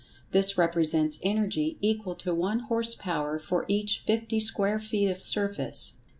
This represents energy equal to one horse power for each fifty square feet of surface."